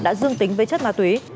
đã dương tính với chất ma túy